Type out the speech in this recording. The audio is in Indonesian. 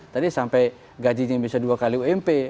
tadi sampai gajinya bisa dua kali ump